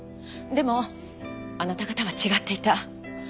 でもあなた方は違っていた。